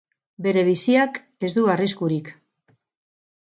Bere biziak ez du arriskurik.